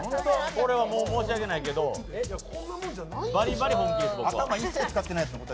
これは申し訳ないけどバリバリ本気です、これ。